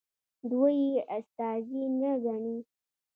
دوی یې استازي نه ګڼي.